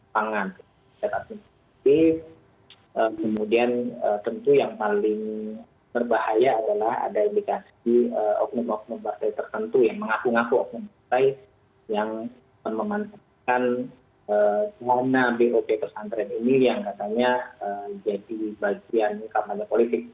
pertama kemudian tentu yang paling berbahaya adalah ada indikasi oknum oknum batai tertentu yang mengaku ngaku oknum batai yang memanfaatkan komona bop pesantren ini yang katanya jadi bagian kampanye politik